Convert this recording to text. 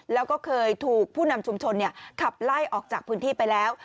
แล้วก็เคยถูกผู้นำชุมชนขับไล่ออกจากพื้นที่ไปแล้ว